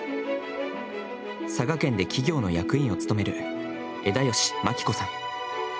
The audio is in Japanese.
佐賀県で企業の役員を務める枝吉眞喜子さん。